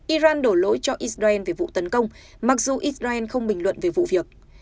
iran đổ lỗi cho israel về vụ tấn công mặc dù israel không bình luận về vụ việc